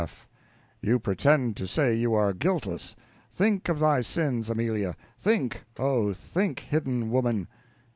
F. You pretend to say you are guiltless! Think of thy sins, Amelia; think, oh, think, hidden woman.